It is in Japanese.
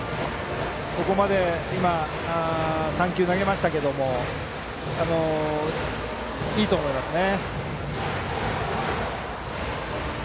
ここまで３球投げましたけどもいいと思いますね。